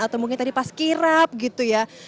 atau mungkin tadi pas kirap gitu ya